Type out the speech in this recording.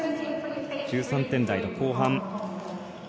１３点台の後半。